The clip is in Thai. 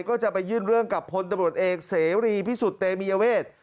ก็จะไปยื่นเรื่องกับพลตำรวจเอกเสรีพิสุทธิเตมียเวท